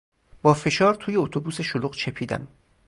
با فشار توی اتوبوس شلوغ چپیدم.